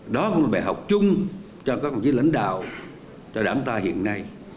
đó không phải học chung cho các bản chứ lãnh đạo cho đảng ta hiện nay